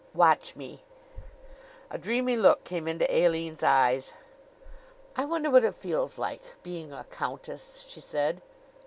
"Watch me." A dreamy look came into Aline's eyes. "I wonder what it feels like, being a countess," she said.